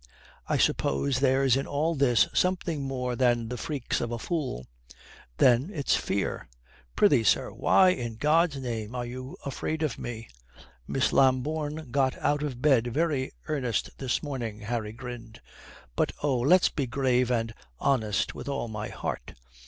I suppose there's in all this something more than the freaks of a fool. Then it's fear. Prithee, sir, why in God's name are you afraid of me?" "Miss Lambourne got out of bed very earnest this morning," Harry grinned. "But oh, let's be grave and honest with all my heart.